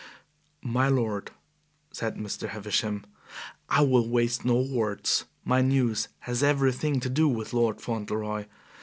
"My lord," said Mr. Havisham, "I will waste no words. My news has everything to do with Lord Fauntleroy.